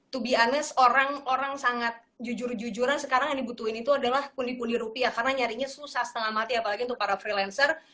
to be honest orang orang sangat jujur jujuran sekarang yang dibutuhin itu adalah pundi pundi rupiah karena nyarinya susah setengah mati apalagi untuk para freelancer